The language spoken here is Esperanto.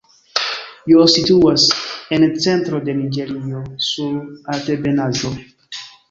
Jos situas en centro de Niĝerio sur altebenaĵo.